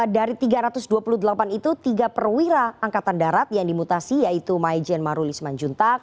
dari tiga ratus dua puluh delapan itu tiga perwira angkatan darat yang dimutasi yaitu maijen marulis manjuntak